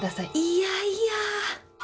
いやいや。